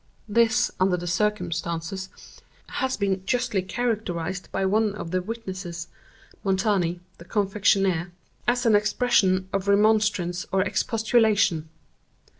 _' This, under the circumstances, has been justly characterized by one of the witnesses (Montani, the confectioner,) as an expression of remonstrance or expostulation.